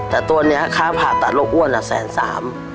แต่ตัวนี้ค่าผ่าตัดโรคอ้วนอ่ะแสนสาม